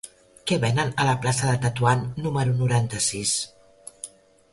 Què venen a la plaça de Tetuan número noranta-sis?